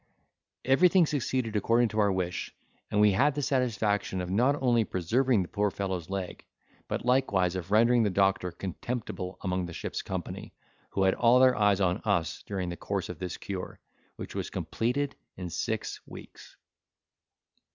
Everything succeeded according to our wish, and we had the satisfaction of not only preserving the poor fellow's leg, but likewise of rendering the doctor contemptible among the ship's company, who had all their eyes on us during the course of this cure, which was completed in six weeks.